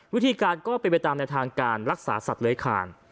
วิธีการก็เป็นไปตามแนวทางการรักษาสัตว์เลื้อยคาน